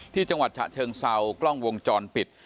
จังหวัดฉะเชิงเซากล้องวงจรปิด